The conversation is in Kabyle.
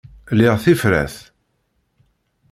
Liɣ tifrat.